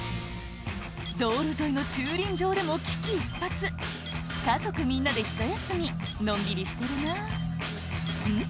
道路沿いの駐輪場でも危機一髪家族みんなでひと休みのんびりしてるなぁうん？